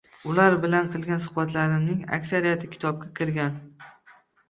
Ular bilan qilgan suhbatlarimning aksariyati kitobga kirgan